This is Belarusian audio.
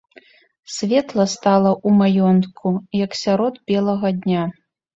Светла стала ў маёнтку, як сярод белага дня.